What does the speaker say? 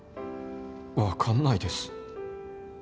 わかんないです